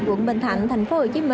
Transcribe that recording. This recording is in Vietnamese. quận bình thạnh tp hcm